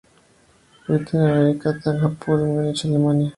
Winter in America, Tanja Pol, Munich, Alemania.